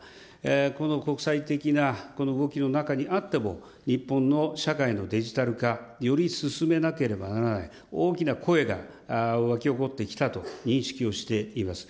この国際的な動きの中にあっても、日本の社会のデジタル化、より進めなければならない、大きな声が沸き起こってきたと認識をしています。